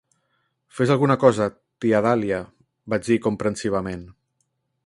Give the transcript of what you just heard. "Fes alguna cosa, Tia Dahlia", vaig dir comprensivament.